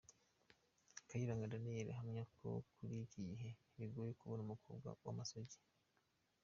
Kayiranga Daniel ahamya ko kuri iki gihe bigoye kubona abakobwa b’amasugi.